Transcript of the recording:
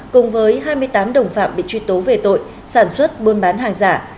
cùng với hai mươi tám đồng phạm bị truy tố về tội sản xuất buôn bán hàng giả